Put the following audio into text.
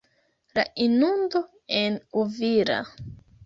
La inundo en Uvira.